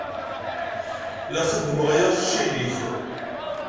La xeddmeɣ aya ccil-ik.